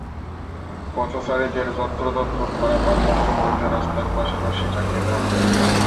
পথচারীদের যত্রতত্র পারাপার বন্ধ করতে রাস্তার পাশে রশি টানিয়ে দেওয়া হচ্ছে।